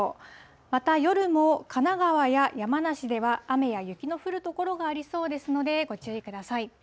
また夜も、神奈川や山梨では雨や雪の降る所がありそうですので、ご注意ください。